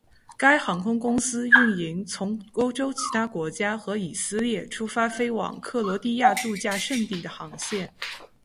该航空公司运营从欧洲其他国家和以色列出发飞往克罗地亚度假胜地的航线。